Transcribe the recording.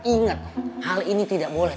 ingat hal ini tidak boleh